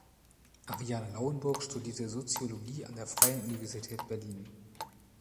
Ariane Lauenburg studierte Soziologie an der Freien Universität Berlin.